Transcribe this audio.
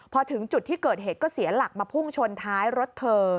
พอถึงจุดที่เกิดเหตุก็เสียหลักมาพุ่งชนท้ายรถเธอ